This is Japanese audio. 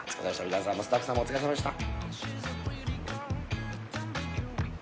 皆さんもスタッフさんもお疲れさまでした。